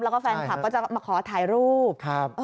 แล้วก็แฟนคลับก็จะมาขอถ่ายรูป